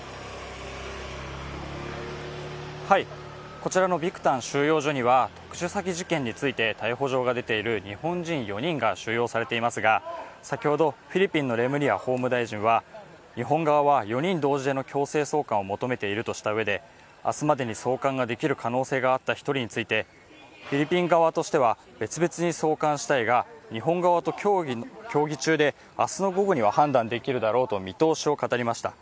こちらのビクタン収容所には特殊詐欺事件について逮捕状が出ている日本人４人が収容されていますが先ほどフィリピンのレムリヤ法務大臣は、日本側は４人同時での強制送還を求めているとしたうえで明日までに送還ができる可能性があった１人についてフィリピン側としては別々に送還したいが、日本側と協議中で明日の午後には判断できるだろうと見通しを語りました。